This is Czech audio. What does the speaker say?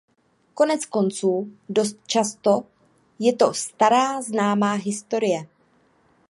Koneckonců dost často je to stará známá historie.